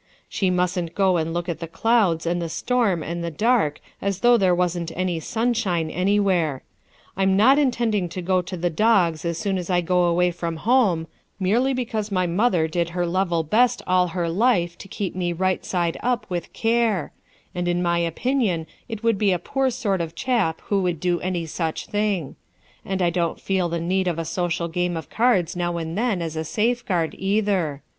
"She mustn't go and look at the clouds and the storm and the dark as though there wasn't any sunshine anywhere. I am not in tending to go to the dogs as soon as I go away from home, merely because my mother did her 24 RUTH ERSKINE'S SON level best all her life to keep me right side up with care; and in my opinion it would bo a poor sort of chap who would do any such thing. And I don't feel the need of a social game of cards now and then as a safeguard, cither.